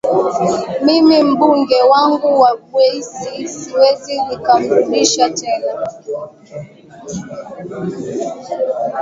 mimi mbunge wangu wa bweisi siwezi nikamrudisha tena